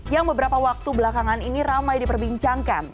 yang beberapa waktu belakangan ini ramai diperbincangkan